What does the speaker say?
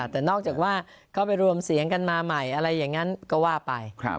แต่นอกจากว่าก็ไปรวมเสียงกันมาใหม่อะไรอย่างนั้นก็ว่าไป